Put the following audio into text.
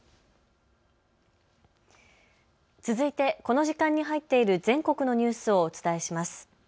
続いてこの時間に入っている全国のニュースをお伝えします。